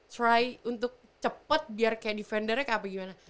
try untuk cepat biar kayak defendernya kayak apa gimana